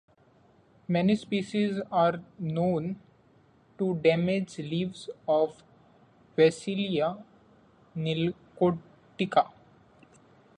Many species are known to damage leaves of "Vachellia nilotica".